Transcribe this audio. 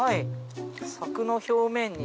柵の表面に。